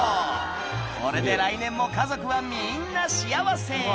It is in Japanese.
これで来年も家族はみんな幸せ！